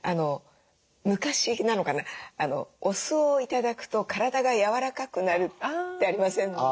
昔なのかなお酢を頂くと体がやわらかくなるってありませんでした？